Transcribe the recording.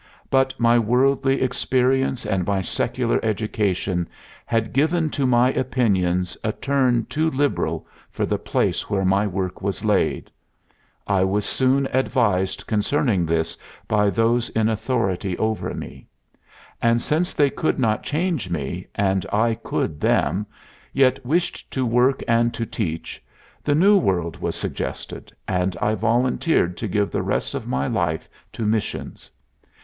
But my worldly experience and my secular education had given to my opinions a turn too liberal for the place where my work was laid. I was soon advised concerning this by those in authority over me. And since they could not change me and I could them, yet wished to work and to teach, the New World was suggested, and I volunteered to give the rest of my life to missions.